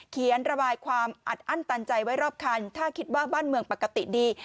เขียนระบายความอัดอั้นตันใจไว้รอบคันถ้าคิดว่าบ้านเมืองปกติดี